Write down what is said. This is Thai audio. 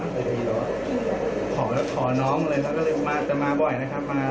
ขอแล้วถอน้องเลยครับก็เลยจะมาบ่อยนะครับ